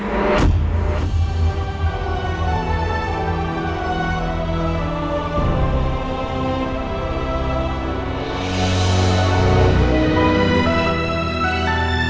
kalian ya sabar